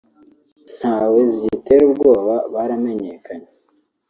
ntawe zigitera ubwoba baramenyekanye